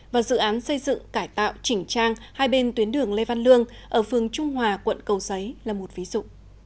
và dự án xây dựng cải tạo chỉnh trang hai bên tuyến đường lê văn lương ở phường trung hòa quận cầu giấy là một ví dụ